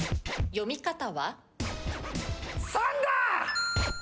読み方は？